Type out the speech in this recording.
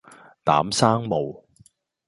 膽生毛